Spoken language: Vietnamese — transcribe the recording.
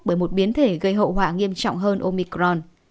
bởi một biến thể gây hậu quả nghiêm trọng hơn omicron